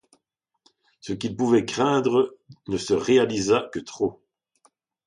Ce qu’il pouvait craindre ne se réalisa que trop.